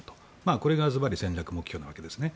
これがずばり戦略目標のわけですね。